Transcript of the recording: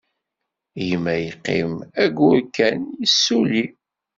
Gma yeqqim ayyur kan, yessulli.